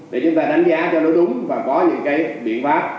để chúng ta đánh giá cho nó đúng và có những cái biện pháp